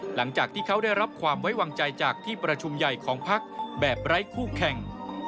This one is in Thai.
หลังจากที่เขาได้รับความไว้วางใจจากที่ประชุมใหญ่ของพักแบบไร้คู่แข่ง